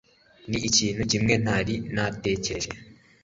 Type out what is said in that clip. Nicyo kintu kimwe ntari natekereje